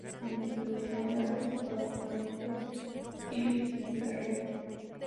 Entre los generales gastroenteritis y diarrea.